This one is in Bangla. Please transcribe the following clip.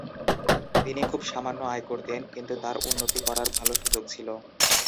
তিনি খুব সামান্য আয় করতেন, কিন্তু তার উন্নতি করার ভাল সুযোগ ছিল।